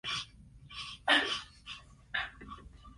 These questions were addressed in the Treaty of Lisbon.